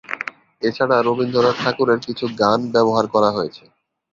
এছাড়া রবীন্দ্রনাথ ঠাকুরের কিছু গান ব্যবহার করা হয়েছে।